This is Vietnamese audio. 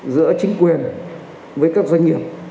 giữa chính quyền với các doanh nghiệp